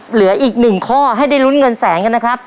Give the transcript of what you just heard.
เหลืออีกหนึ่งข้อให้ได้ลุ้นเงินแสนกันนะครับ